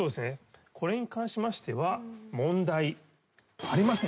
これに関しましては問題ありません。